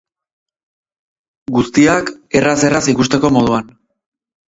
Guztiak, erraz erraz ikusteko moduan.